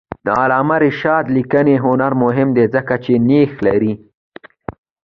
د علامه رشاد لیکنی هنر مهم دی ځکه چې نیښ لري.